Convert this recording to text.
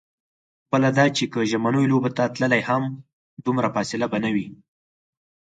بله دا چې که ژمنیو لوبو ته تللې هم، دومره فاصله به نه وي.